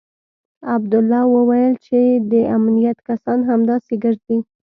عبدالله وويل چې د امنيت کسان همداسې ګرځي.